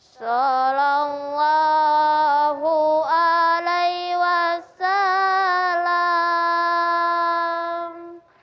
salam allah alaihi wasalam